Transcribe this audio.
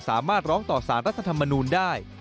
สามารถร้องต่อสารรัฐธรรมนูลได้